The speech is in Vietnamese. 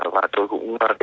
và tôi cũng không biết là có gì